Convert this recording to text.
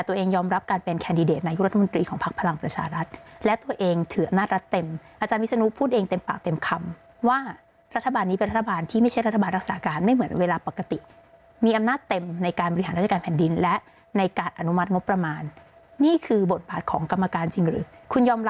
ยอมรับการเป็นแคนดิเดตนายกรัฐมนตรีของพักพลังประชารัฐและตัวเองถืออำนาจรัฐเต็มอาจารย์วิศนุพูดเองเต็มปากเต็มคำว่ารัฐบาลนี้เป็นรัฐบาลที่ไม่ใช่รัฐบาลรักษาการไม่เหมือนเวลาปกติมีอำนาจเต็มในการบริหารราชการแผ่นดินและในการอนุมัติงบประมาณนี่คือบทบาทของกรรมการจริงหรือคุณยอมรับ